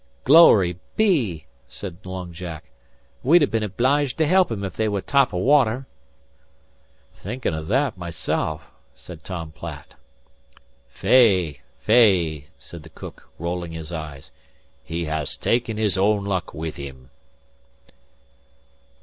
"Glory be!" said Long Jack. "We'd ha' been obliged to help 'em if they was top o' water." "'Thinkin' o' that myself," said Tom Platt. "Fey! Fey!" said the cook, rolling his eyes. "He haas taken his own luck with him."